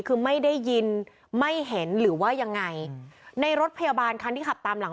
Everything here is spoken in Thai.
คือไม่ได้ยินไม่เห็นหรือว่ายังไงในรถพยาบาลคันที่ขับตามหลัง